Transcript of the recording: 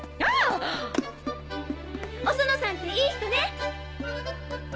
おソノさんっていい人ね！